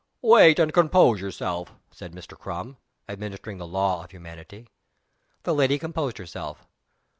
"Wait, and compose yourself," said Mr. Crum administering the law of humanity. The lady composed herself.